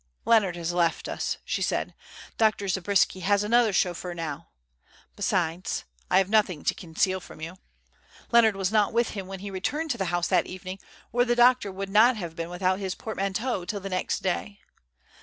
"Leonard has left us," she said. "Dr. Zabriskie has another chauffeur now. Besides (I have nothing to conceal from you), Leonard was not with him when he returned to the house that evening or the doctor would not have been without his portmanteau till the next day.